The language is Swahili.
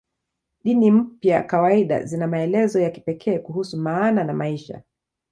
Dini mpya kawaida zina maelezo ya kipekee kuhusu maana ya maisha.